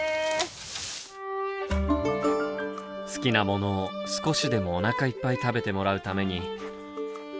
好きなものを少しでもおなかいっぱい食べてもらうために。